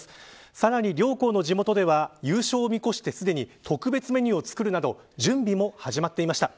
さらに、両校の地元では優勝を見越してすでに特別メニューを作るなど準備も始まっていました。